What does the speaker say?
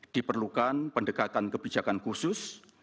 diperlukan pendekatan kebijakan khusus